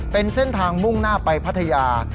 เป็นเส้นทางมุ่งหน้าไปพัทยา